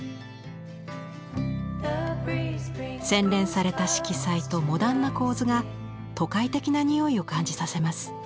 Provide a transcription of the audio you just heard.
洗練された色彩とモダンな構図が都会的なにおいを感じさせます。